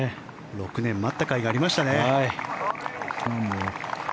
６年待ったかいがありましたね。